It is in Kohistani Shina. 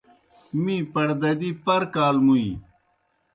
می پڑدَدِی پر کال مُوݩئی۔